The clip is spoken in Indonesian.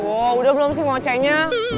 oh udah belum sih mau c nya